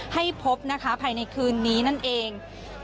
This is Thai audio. ให้พบนะคะภายในคืนนี้นั่นเอง